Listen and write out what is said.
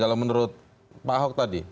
kalau menurut pak ahok tadi